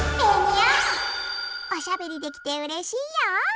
おしゃべりできてうれしいよ！